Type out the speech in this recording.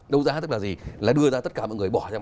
đấu giá tức là gì là đưa ra tất cả mọi người bỏ ra